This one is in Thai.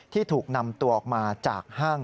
ที่ถูกนำตัวออกมาจากห้าง